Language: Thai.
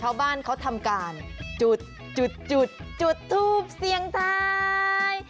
ชาวบ้านเขาทำการจุดจุดจุดทูปเสียงท้าย